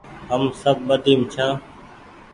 هم سب ٻڌيم ڇآن